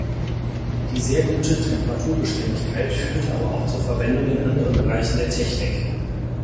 Die sehr gute Temperaturbeständigkeit führte aber auch zur Verwendung in anderen Bereichen der Technik.